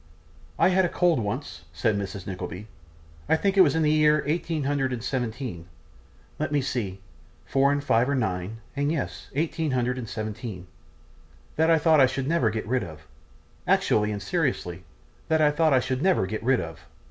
I had a cold once,' said Mrs. Nickleby, 'I think it was in the year eighteen hundred and seventeen; let me see, four and five are nine, and yes, eighteen hundred and seventeen, that I thought I never should get rid of; actually and seriously, that I thought I never should get rid of.